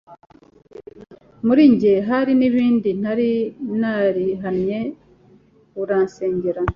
muri jye hari nibindi ntari narihannye aransengera